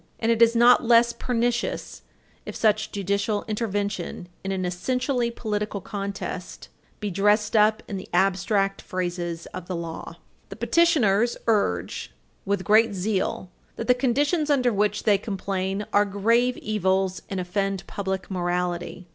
And it is not less pernicious if such judicial intervention in an essentially political contest be dressed up in the abstract phrases of the law. The appellants urge with great zeal that the conditions of which they complain are grave evils, and offend public morality.